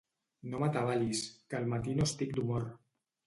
No m'atabalis, que al matí no estic d'humor.